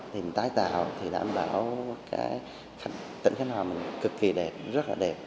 thì tái tạo thì đảm bảo tỉnh khánh hòa cực kỳ đẹp rất là đẹp